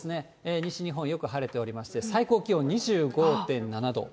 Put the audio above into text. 西日本、よく晴れておりまして、最高気温２５．７度。